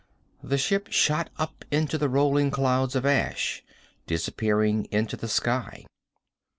The ship shot up into the rolling clouds of ash, disappearing into the sky.